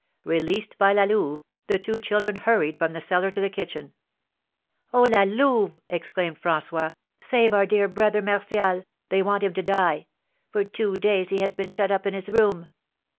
Released by La Louve, the two children hurried from the cellar to the kitchen. "Oh, La Louve!" exclaimed François, "save our dear Brother Martial; they want him to die! For two days he has been shut up in his room!"